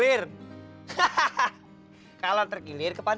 nih caranya kita murah